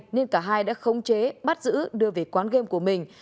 nên cả hai đã khống chế bắt giữ đưa về quán game của mình